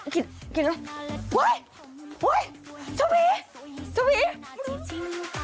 กินกินเลยโอ้ยโอ้ยเฉพีเฉพี